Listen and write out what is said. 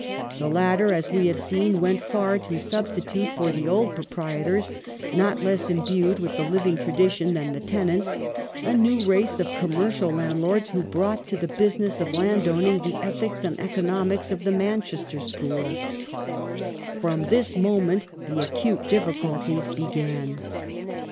The latter, as we have seen, went far to substitute for the old proprietors, not less imbued with the living tradition than the tenants, a new race of commercial land lords who brought to the business of landowning the ethics and economics of the "Manchester School". From this moment the acute difficulties began.